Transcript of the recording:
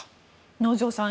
能條さん